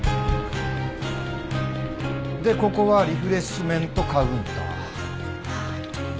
でここはリフレッシュメントカウンター。はあ。